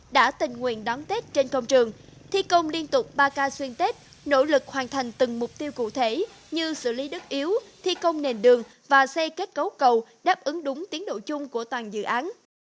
đã tình nguyện đón tết trên công trường thi công liên tục ba k xuyên tết nỗ lực hoàn thành từng mục tiêu cụ thể như xử lý đất yếu thi công nền đường và xây kết cấu cầu đáp ứng đúng tiến độ chung của toàn dự án